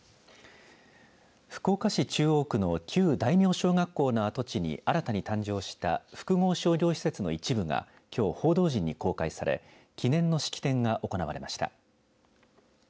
福岡市中央区の旧大名小学校の跡地に新たに誕生した複合商業施設の一部がきょう、報道陣に公開され記念の式典が行われました。